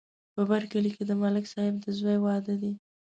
په بر کلي کې د ملک صاحب د زوی واده دی.